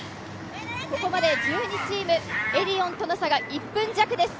ここまで１２チーム、エディオンとの差が１分弱です。